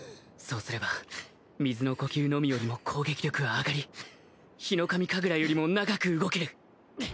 そうすれば水の呼吸のみよりも攻撃力は上がりヒノカミ神楽よりも長く動ける